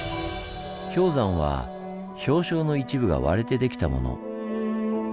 氷山は氷床の一部が割れてできたもの。